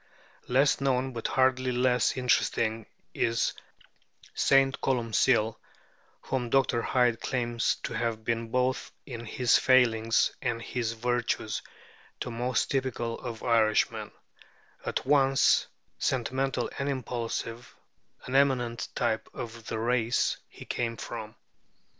Less known but hardly less interesting is St. Columcill, whom Dr. Hyde claims "to have been, both in his failings and his virtues, the most typical of Irishmen; at once sentimental and impulsive, an eminent type of the race he came from."